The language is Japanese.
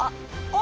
お！